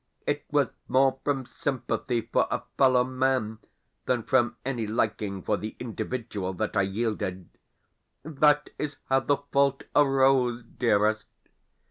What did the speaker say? It was more from sympathy for a fellow man than from any liking for the individual that I yielded. That is how the fault arose, dearest.